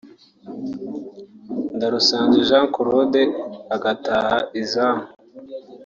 Ndarusanze Jean Claude agataha izamu